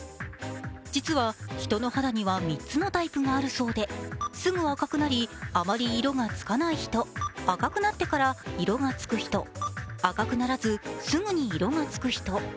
実は人の肌には３つのタイプがあるそうで、すぐ赤くなりあまり色がつかない人、赤くなってから色がつく人赤くならず、すぐに色がつく人。